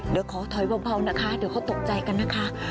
เดี๋ยวขอถอยเบานะคะเดี๋ยวเขาตกใจกันนะคะ